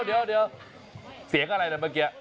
เดี๋ยวเสียงอะไรนะเมื่อกี้